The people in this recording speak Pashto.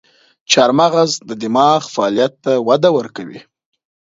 چارمغز د دماغ فعالیت ته وده ورکوي.